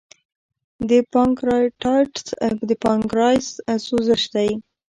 د پانکریاتایټس د پانکریاس سوزش دی.